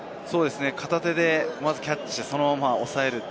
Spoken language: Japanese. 片手でキャッチしてそのまま抑える。